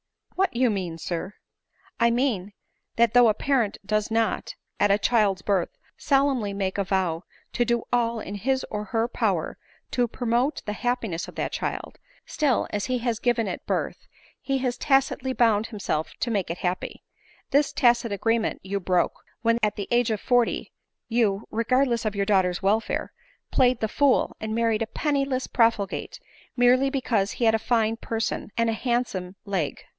" What mean you, sir ?"" I mean, that though a parent does not, at a child's birth, solemnly make a vow to do all in his or her power to promote the happiness of that child — still, as he has given it birth, he has tacitly bound himself to make it a fa i | ADELINE MOWBRAY. 117 happy, This tacit agreement you broke, when at the age of forty, you, regardless of your daughter's welfare, played the fool and married a pennyless profligate, mere ly because he had a fine person and a handsome leg."